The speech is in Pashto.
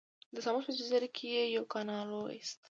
د ساموس په جزیره کې یې یو کانال وویست.